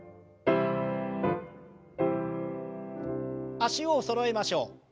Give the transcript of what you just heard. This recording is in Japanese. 脚をそろえましょう。